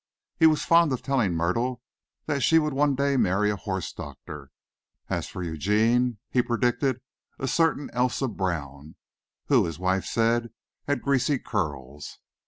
He was fond of telling Myrtle that she would one day marry a horse doctor. As for Eugene, he predicted a certain Elsa Brown, who, his wife said, had greasy curls.